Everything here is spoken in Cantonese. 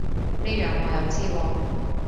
呢樣我又知喎